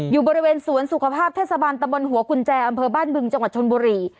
อยู่บริเวณสวนสุขภาพเทศบาลตะบนหัวกุญแจอำเภอบ้านบึงจังหวัดชนบุรี